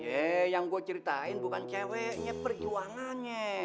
eh yang gue ceritain bukan ceweknya perjuangannya